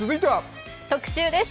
特集です。